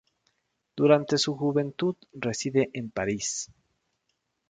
Durante su juventud, reside en París.